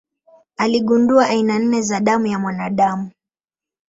Aligundua aina nne za damu ya mwanadamu.